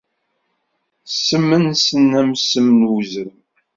Ssem-nsen am ssem n uzrem.